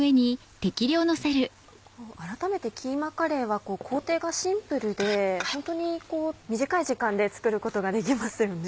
改めてキーマカレーは工程がシンプルで本当に短い時間で作ることができますよね。